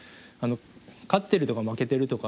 勝ってるとか負けてるとか